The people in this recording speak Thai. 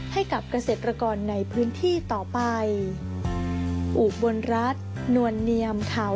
ให้กับเกษตรกรในพื้นที่ต่อไป